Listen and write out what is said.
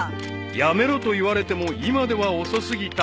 ［やめろと言われても今では遅過ぎた］